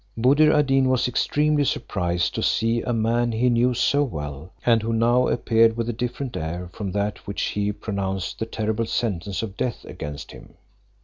Buddir ad Deen was extremely surprised to see a man he knew so well, and who now appeared with a different air from that with which he pronounced the terrible sentence of death against him.